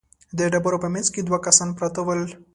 د ډبرو په مينځ کې دوه کسان پراته ول.